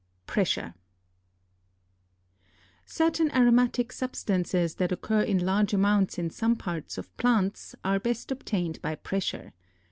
PRESSURE. Certain aromatic substances that occur in large amounts in some parts of plants, are best obtained by pressure.